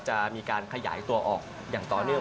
จะมีการขยายตัวออกอย่างต่อเนื่อง